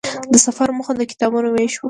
د سفر موخه د کتابونو وېش وه.